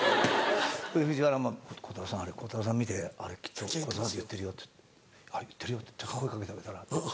藤原も「鋼太郎さんあれ鋼太郎さん見てあれきっと鋼太郎さんだって言ってるよ声かけてあげたら？」。